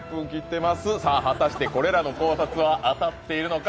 果たしてこれらの考察は当たっているのか。